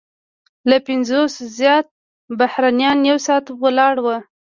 له پنځوسو زیات بهرنیان یو ساعت ولاړ وو.